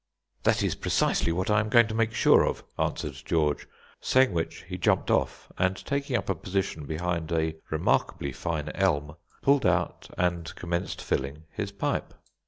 "That is precisely what I am going to make sure of," answered George, saying which he jumped off, and, taking up a position behind a remarkably fine elm, pulled out and commenced filling his pipe.